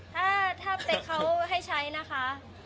ถ้าเป๊กเขาให้ใช้นะคะ